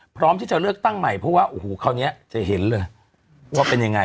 พร้อมที่จะเลือกตั้งใหม่เพราะว่าโอ้โหคราวนี้จะเห็นเลยว่าเป็นยังไง